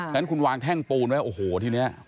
ก็คุณวางแท่งปูนไว้โอ้โห้ที่นี่